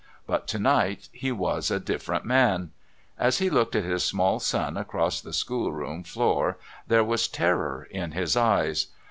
But to night he was a different man. As he looked at his small son across the schoolroom floor there was terror in his eyes.